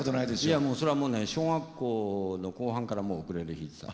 いやそれはもうね小学校の後半からもうウクレレ弾いてた。